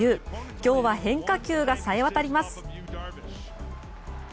今日は変化球が冴えわたります。